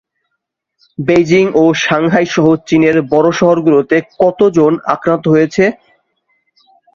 Beijing ও সাংহাইসহ চীনের বড় শহরগুলোতে কতজন আক্রান্ত হয়েছে?